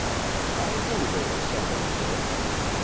I knew there was somebody there.